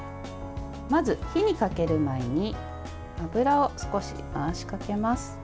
まず、火にかける前に油を少し回しかけます。